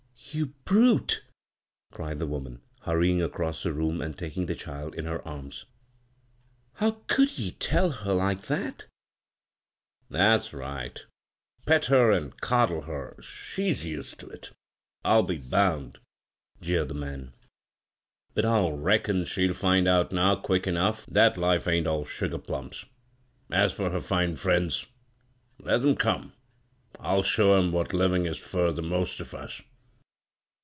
" You brute I " cried the woman, hurrying across the room and taking the child in her arms. " How could ye tell her like that I "" That's right 1 Pet her an' coddle her — she's used to it, I'll be bound," jeered the b, Google CROSS CURRENTS tnan. " But I reckon she'll Bnd out nov quick enough that life ain't all sugar plums. As for her fine friends — let 'em come. I'll show 'em what livin' is fur the most of us.